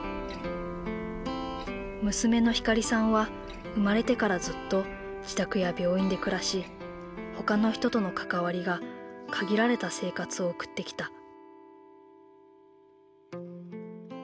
娘のひかりさんは生まれてからずっと自宅や病院で暮らし他の人との関わりが限られた生活を送ってきた。